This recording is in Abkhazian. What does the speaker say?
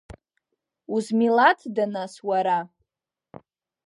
Узмилаҭда, нас, уара?